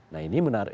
nah ini menarik